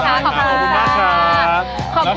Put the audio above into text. ขอบคุณค่ะขอบคุณมาก